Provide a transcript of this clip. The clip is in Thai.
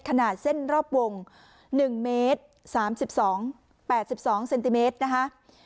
ขนาดเส้นรอบวงหนึ่งเมตรสามสิบสองแปดสิบสองเซนติเมตรนะคะ